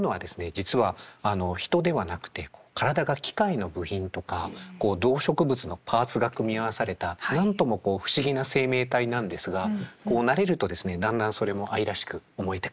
実はあの人ではなくて体が機械の部品とか動植物のパーツが組み合わされた何ともこう不思議な生命体なんですが慣れるとですねだんだんそれも愛らしく思えてくる。